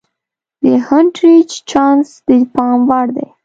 د هونټریج چانس د پام وړ دی.